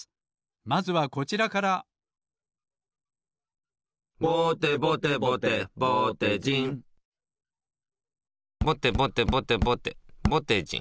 まずはこちらから「ぼてぼてぼてぼてじん」ぼてぼてぼてぼてぼてじん。